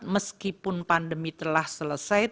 meskipun pandemi telah selesai